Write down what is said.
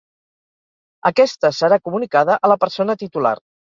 Aquesta serà comunicada a la persona titular.